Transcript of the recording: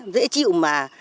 dễ chịu mà